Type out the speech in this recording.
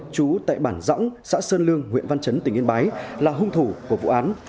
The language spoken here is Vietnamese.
chú tại bản dõng xã sơn lương huyện văn chấn tỉnh yên bái là hung thủ của vụ án